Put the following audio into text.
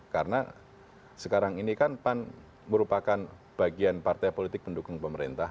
karena sekarang ini kan pan merupakan bagian partai politik pendukung pemerintah